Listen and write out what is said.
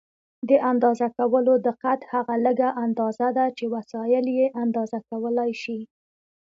د اندازه کولو دقت هغه لږه اندازه ده چې وسایل یې اندازه کولای شي.